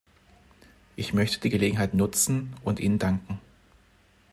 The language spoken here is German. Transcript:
Ich möchte die Gelegenheit nutzen und ihnen danken.